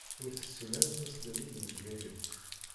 Ur tessin ara tasdawit n Bgayet.